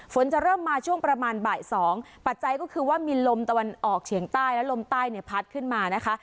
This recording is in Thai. ฝนจะเริ่มมาช่วงประมาณบ่ายสองปัจจัยก็คือว่ามีลมตะวันออกเฉียงใต้และลมใต้เนี่ยพัดขึ้นมานะคะ